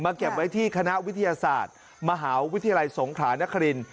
เก็บไว้ที่คณะวิทยาศาสตร์มหาวิทยาลัยสงขลานคริน